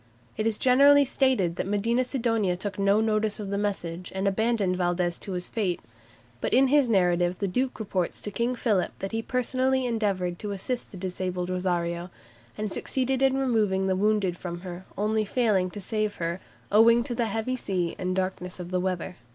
It is generally stated that Medina Sidonia took no notice of the message, and abandoned Valdes to his fate, but in his narrative the Duke reports to King Philip that he personally endeavoured to assist the disabled "Rosario," and succeeded in removing the wounded from her, only failing to save her "owing to the heavy sea and the darkness of the weather."